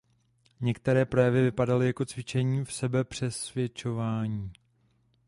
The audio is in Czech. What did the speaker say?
Některé projevy vypadaly jako cvičení v sebepřesvědčování.